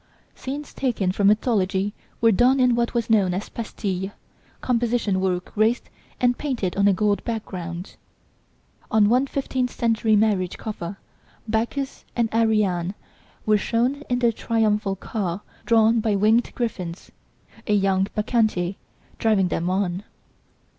Scenes taken from mythology were done in what was known as "pastille," composition work raised and painted on a gold background. On one fifteenth century marriage coffer, Bacchus and Ariadne were shown in their triumphal car drawn by winged griffins, a young Bacchante driving them on.